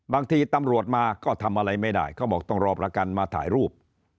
บางทีตำรวจมาก็ทำอะไรไม่ได้เขาบอกต้องรอประกันมาถ่ายรูป